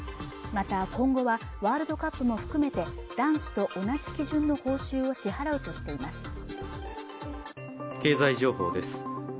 また今後はワールドカップも含めて男子と同じ基準の報酬を支払うとしています